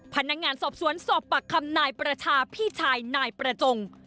พนักงานสอบสวนสอบปากคำนายประชาพี่ชายนายประจง